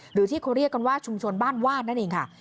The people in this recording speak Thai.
หรือที่เขาเรียกกันว่าชุมชนบ้านว่านนั่นเองค่ะ